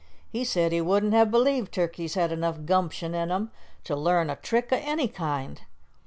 He said he wouldn't have believed turkeys had enough gumption in them to learn a trick o' any kind."